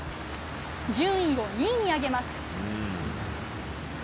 順位を２位に上げます。